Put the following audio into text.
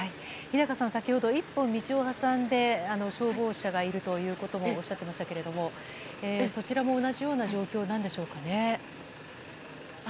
日高さん、先ほど１本道を挟んで消防車がいるということをおっしゃっていましたがそちらも同じような状況なんでしょうかね。